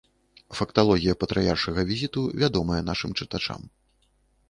Факталогія патрыяршага візіту вядомая нашым чытачам.